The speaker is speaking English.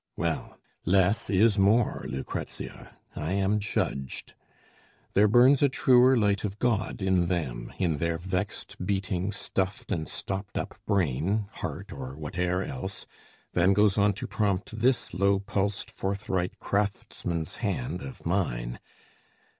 Well, less is more, Lucrezia: I am judged. There burns a truer light of God in them, In their vexed, beating, stuffed, and stopped up brain, Heart, or whate'er else, than goes on to prompt This low pulsed forthright craftsman's hand of mine.